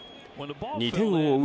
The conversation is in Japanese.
２点を追う